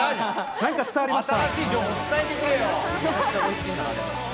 何か伝わりました。